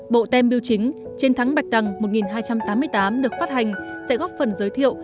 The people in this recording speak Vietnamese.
bộ tem biêu chính chiến thắng bạch đằng được phát hành sẽ góp phần giới thiệu